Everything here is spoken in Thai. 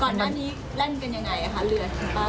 ก่อนอันนี้เล่นกันยังไงค่ะเรือ